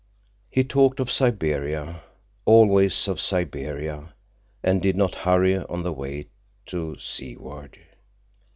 He talked of Siberia—always of Siberia, and did not hurry on the way to Seward.